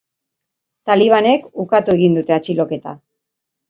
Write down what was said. Talibanek ukatu egin dute atxiloketa.